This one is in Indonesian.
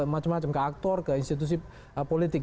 macam macam ke aktor ke institusi politik